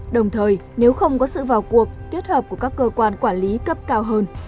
đồng thời nếu không có sự vào cuộc kết hợp của các cơ quan quản lý cấp cao hơn